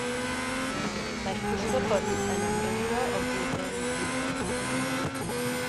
Mae'r Pwyllgor hwn yn amrywio o flwyddyn i flwyddyn.